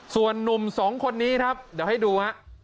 ส่วนนุ่มสองคนนี้ครับเดี๋ยวให้ดูฮะ